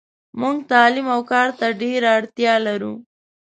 موږ تعلیم اوکارته ډیره اړتیالرو .